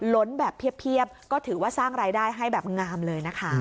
ล้นแบบเพียบก็ถือว่าสร้างรายได้ให้แบบงามเลยนะคะ